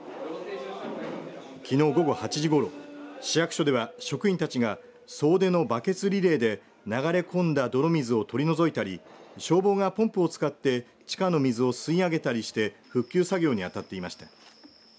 きのう午後８時ごろ市役所では職員たちが総出のバケツリレーで流れ込んだ泥水を取り除いたり消防がポンプを使って地下の水を吸い上げたりして復旧作業に当たっていました。